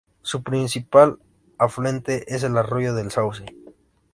Su principal afluente es el Arroyo del Sauce.